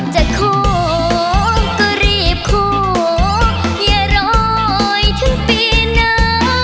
จะโครกก็รีบโครกอย่าร้อยถึงปีหนา